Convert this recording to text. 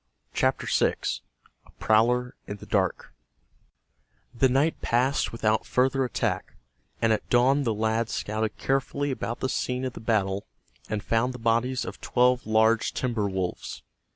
CHAPTER VI—A PROWLER IN THE DARK The night passed without further attack, and at dawn the lads scouted carefully about the scene of the battle and found the bodies of twelve large timber wolves.